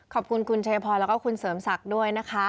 ขอบคุณคุณชัยพรแล้วก็คุณเสริมศักดิ์ด้วยนะคะ